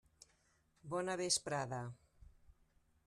Bona vesprada.